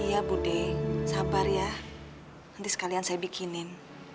iya bu deh sabar ya nanti sekalian saya bikinin